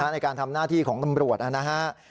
ในการทำหน้าที่ตำรวจ